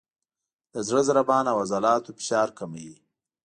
د زړه ضربان او عضلاتو فشار کموي،